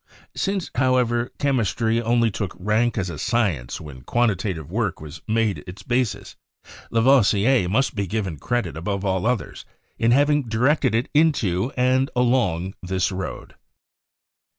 Since, however, chemistry only took rank as a science when quantitative work was made its basis, Lavoi sier must be given credit above all others in having di rected it into and along this road.